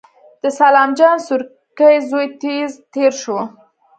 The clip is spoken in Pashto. د سلام جان سورکی زوی تېز تېر شو.